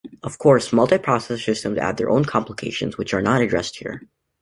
Of course, multiprocessor systems add their own complications, which are not addressed here.